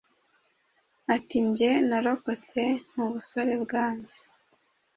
Ati Njye narokotse mu busore bwanjye